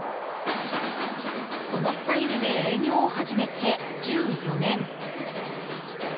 このスタイルで営業を始めて１４年。